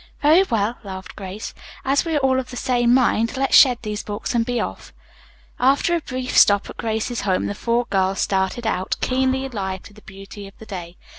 "Very well," laughed Grace, "as we are all of the same mind, let's shed these books and be off." After a brief stop at Grace's home, the four girls started out, keenly alive to the beauty of the day.